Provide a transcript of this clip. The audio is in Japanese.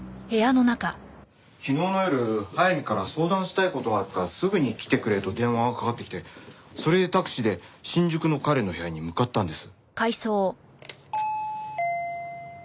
昨日の夜速水から相談したい事があるからすぐに来てくれと電話がかかってきてそれでタクシーで新宿の彼の部屋に向かったんです。